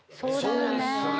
そうですよね。